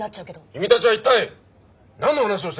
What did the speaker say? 君たちは一体何の話をしてるの！